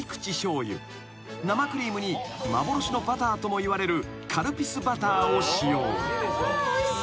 生クリームに幻のバターともいわれるカルピスバターを使用］